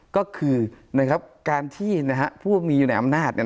ก็คือการที่ผู้มีอยู่ในอำนาจ